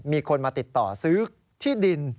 มีคนมาติดต่อซื้อที่ดิน